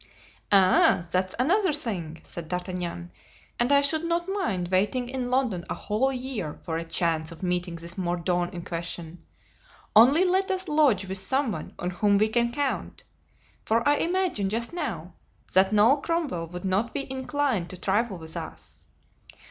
"Ah! that's another thing," said D'Artagnan, "and I should not mind waiting in London a whole year for a chance of meeting this Mordaunt in question. Only let us lodge with some one on whom we can count; for I imagine, just now, that Noll Cromwell would not be inclined to trifle with us.